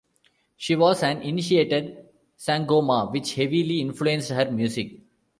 She was an initiated sangoma, which heavily influenced her music.